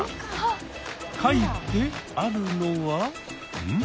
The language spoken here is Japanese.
書いてあるのはん？